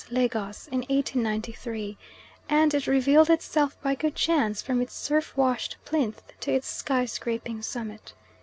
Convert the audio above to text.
Lagos in 1893, and it revealed itself by good chance from its surf washed plinth to its skyscraping summit.